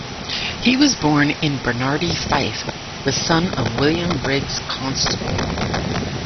He was born in Benarty, Fife, the son of William Briggs Constable.